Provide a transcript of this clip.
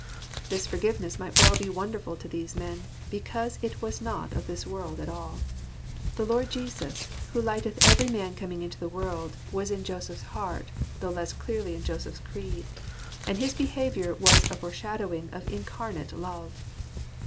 This forgiveness might well be wonderful to these men ; because it was not of this world at all. The Lord Jesus, who lighteth every man coming into the world, was in Joseph's heart, though less clearly in Joseph's creed; and his behaviour was a foreshadowing of Incarnate Love.